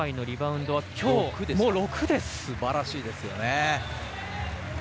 すばらしいですよね。